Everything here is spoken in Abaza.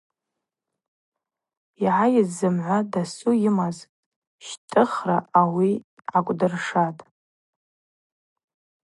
Йгӏайыз зымгӏва дасу йымаз щтӏыхта ауи гӏакӏвдыршатӏ.